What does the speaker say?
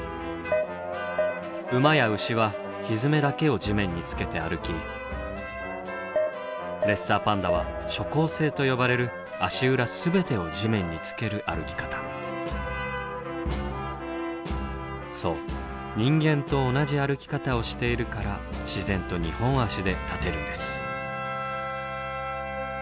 馬や牛は蹄だけを地面につけて歩きレッサーパンダは「蹠行性」と呼ばれる足裏全てを地面につける歩き方。そう人間と同じ歩き方をしているから自然と二本足で立てるんです。